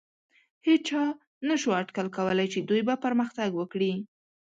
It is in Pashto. هېچا نهشو اټکل کولی، چې دوی به پرمختګ وکړي.